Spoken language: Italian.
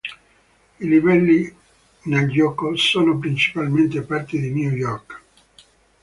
I livelli nel gioco sono principalmente parti di New York.